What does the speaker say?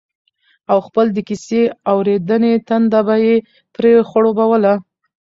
او خپل د کيسې اورېدنې تنده به يې پرې خړوبوله